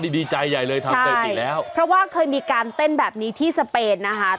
ดีใจใหญ่เลยแปลว่าเคยมีการเต้นแบบนี้ที่สเปนนะคะ